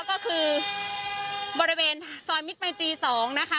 ก็คือบริเวณซอยมิตรมัยตรี๒นะคะ